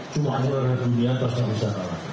cuma juara dunia terus yang bisa kalah